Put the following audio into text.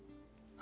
あ！